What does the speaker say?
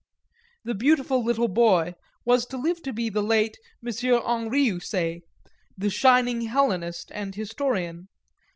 The beautiful little boy was to live to be the late M. Henry Houssaye, the shining hellenist and historian.